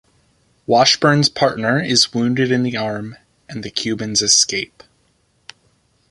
Washburn's partner is wounded in the arm and the Cubans escape.